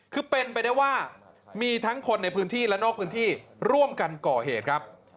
คือเป็นไปได้ว่ามีทั้งคนในพื้นที่และนอกพื้นที่ร่วมกันก่อเหตุครับ